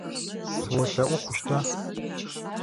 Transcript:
Сыолъэӏу хъущта?